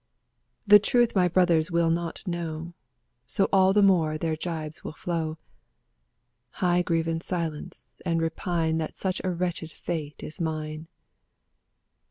The truth my brothers will not know, So all the more their gibes will flow. I grieve in silence and repine That such a wretched fate is mine.